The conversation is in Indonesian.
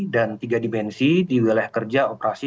dan tiga dimensi di wilayah kerja operasi